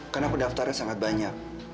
karena pendaftarnya sangat banyak